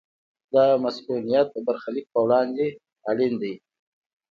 دا مصونیت د برخلیک پر وړاندې اړین دی.